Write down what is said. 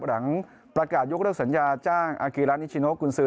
หลังประกาศยกเลิกสัญญาจ้างอาคีรานิชิโนกุญซือ